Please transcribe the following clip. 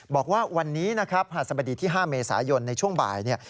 บอกว่าวันนี้นะครับหัสบดีที่๕เมษายนในช่วงบ่ายเนี่ย